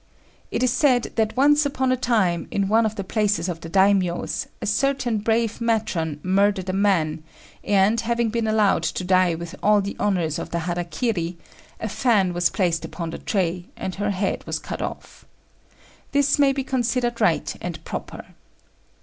It is said that once upon a time, in one of the palaces of the Daimios, a certain brave matron murdered a man, and having been allowed to die with all the honours of the hara kiri, a fan was placed upon the tray, and her head was cut off. This may be considered right and proper.